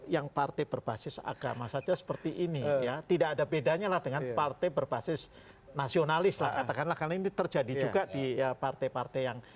yang partai berbasis agama saja seperti ini ya tidak ada bedanya lah dengan partai berbasis nasionalis lah katakanlah karena ini terjadi juga di partai partai yang